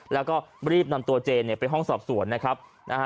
แล้วก็รีบนำตัวเจนเนี่ยไปห้องสอบสวนนะครับนะฮะ